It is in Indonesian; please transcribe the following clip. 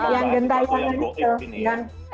yang gentaiangan itu